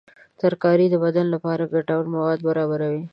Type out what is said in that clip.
ترکاري د بدن لپاره ګټور مواد برابروي.